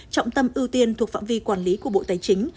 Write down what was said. trọng tâm ưu tiên thuộc phạm vi quản lý của bộ tài chính